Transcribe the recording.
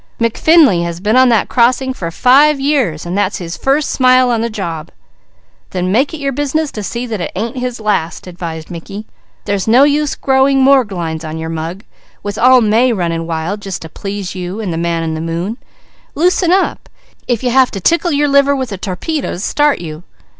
McFinley has been on that crossing for five years and that's his first smile on the job." "Then make it your business to see that it ain't his last!" advised Mickey. "There's no use growing morgue lines on your mug; with all May running wild just to please you and the man in the moon; loosen up, if you have to tickle your liver with a torpedo to start you!"